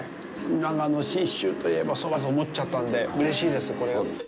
長野、信州といえばそばと思っちゃったので、うれしいです。